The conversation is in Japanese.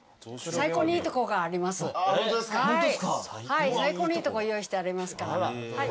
最高にいいとこ用意してありますから。